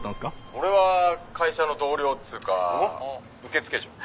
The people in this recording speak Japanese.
俺は会社の同僚っつうか受付嬢。